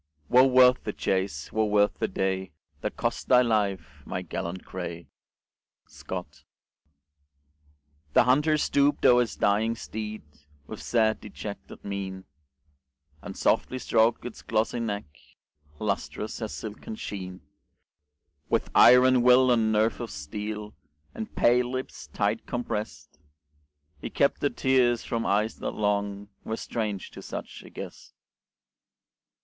"Wo worth the chase. Wo worth the day, That cost thy life, my gallant grey!" Scott The Hunter stooped o'er his dying steed With sad dejected mien, And softly stroked its glossy neck, Lustrous as silken sheen; With iron will and nerve of steel, And pale lips tight compressed, He kept the tears from eyes that long Were strange to such a guest.